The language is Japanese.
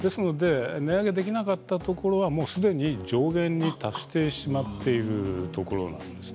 値上げができなかったところはすでに上限に達してしまっているところなんです。